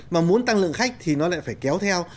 mà muốn tăng lượng khách thì nó lại phải kéo theo